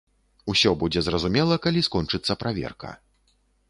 Усё будзе зразумела, калі скончыцца праверка.